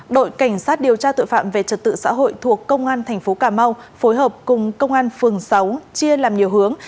đội cảnh sát điều tra tội phạm về trật tự xã hội thuộc công an thành phố cà mau phối hợp cùng công an phường sáu chia làm nhiều hướng